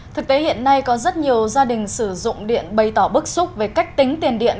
thực tế hiện nay có rất nhiều gia đình sử dụng điện bày tỏ bức xúc về cách tính tiền điện